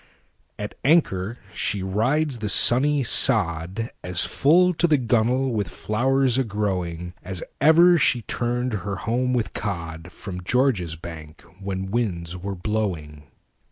At anchor she rides the sunny sodAs full to the gunnel with flowers a growingAs ever she turned her home with codFrom George's Bank when winds were blowing.